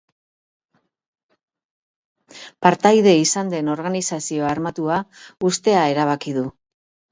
Partaide izan den organizazio armatua uztea erabaki du.